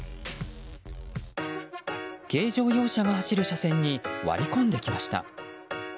軽乗用車が走る車線に割り込んできました。